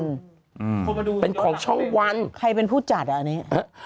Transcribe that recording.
มาดูเป็นของช่องวันใครเป็นผู้จัดอ่ะเออ